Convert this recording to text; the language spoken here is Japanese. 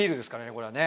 これはね